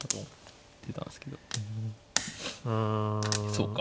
そうか。